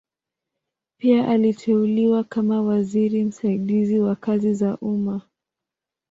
Pia aliteuliwa kama waziri msaidizi wa kazi za umma.